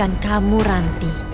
anda semua tolong perfect